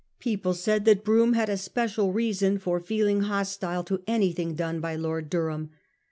People said that Brougham had a special reason for feeling hostile to anything done by Lord Durham.